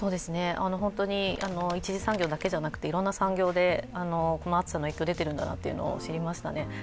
本当に一次産業だけではなくていろんな産業でこの暑さの影響出ているんだと知りましたね。